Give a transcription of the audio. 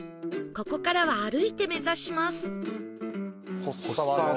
ここからは歩いて目指します